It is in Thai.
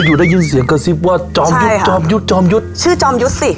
อยู่ได้ยินเสียงกระซิบว่าจอมยุทธ์จอมยุทธ์จอมยุทธ์ชื่อจอมยุทธ์สิ